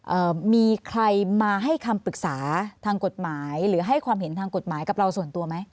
เอ่อมีใครมาให้คำปรึกษาทางกฎหมายหรือให้ความเห็นทางกฎหมายกับเราส่วนตัวไหม